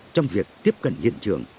trong việc tiếp cận hiện trường